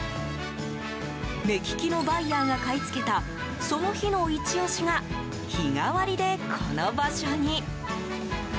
目利きのバイヤーが買い付けたその日のイチ押しが日替わりでこの場所に。